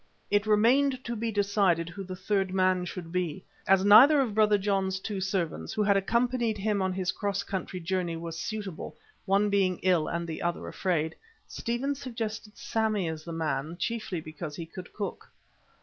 It remained to be decided who the third man should be. As neither of Brother John's two servants, who had accompanied him on his cross country journey, was suitable, one being ill and the other afraid, Stephen suggested Sammy as the man, chiefly because he could cook.